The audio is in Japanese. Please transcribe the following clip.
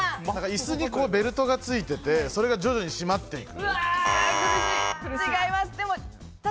イスにベルトが付いてて、それが徐々に締まっていく。